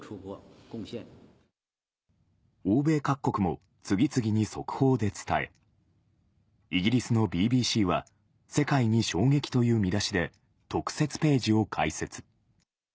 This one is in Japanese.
欧米各国も次々に速報で伝え、イギリスのＢＢＣは、世界に衝撃という見出しで、特設ページを開設。